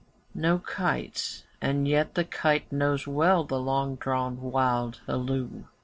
No kite's, and yet the kite knows well The long drawn wild halloo.